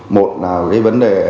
một là cái vấn đề